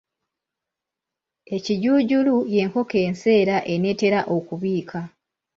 Ekijuujulu y’enkoko enseera eneetera okubiika.